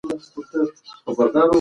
کارکوونکي وویل چې پایلې تایید شوې.